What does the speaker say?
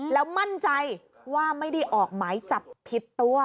แล้วมั่นใจว่าไม่ได้ออกหมายจับผิดตัว